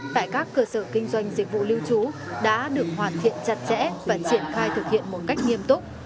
tại các cơ sở kinh doanh dịch vụ lưu trú đã được hoàn thiện chặt chẽ và triển khai thực hiện một cách nghiêm túc